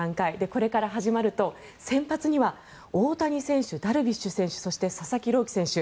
これから始まると先発には大谷選手、ダルビッシュ選手そして佐々木朗希選手